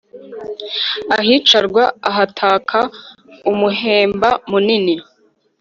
ahicarwa ahataka umuhemba munini